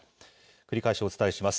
繰り返しお伝えします。